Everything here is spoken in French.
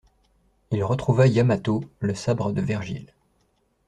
Il retrouva Yamato, le sabre de Vergil.